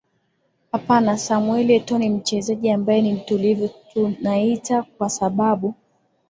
hapana samuel etoo ni mchezaji ambaye ni mtulivu tunaita kwa sababu